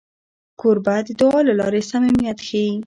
کوربه د دعا له لارې صمیمیت ښيي.